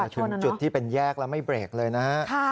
ชูดที่เป็นแยกแล้วไม่เบรกเลยนะ